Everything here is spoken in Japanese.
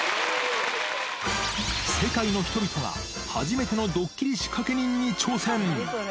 世界の人々が初めてのドッキリ仕掛け人に挑戦！